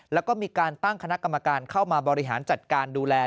แล้วก็มีการตั้งคณะกรรมการเข้ามาบริหารจัดการดูแล